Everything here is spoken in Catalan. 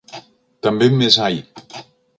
També més ai!